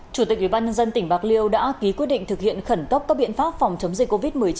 chủ tịch ubnd tỉnh bạc liêu đã ký quyết định thực hiện khẩn cấp các biện pháp phòng chống dịch covid một mươi chín